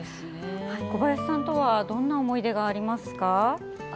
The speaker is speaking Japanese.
小林さんとはどんな思い出がありますか？